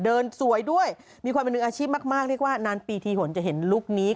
สวยด้วยมีความเป็นหนึ่งอาชีพมากเรียกว่านานปีทีหนจะเห็นลุคนี้